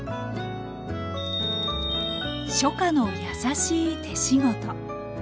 「初夏のやさしい手仕事」。